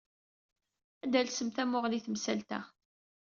Ad talsem tamuɣli i temsalt-a.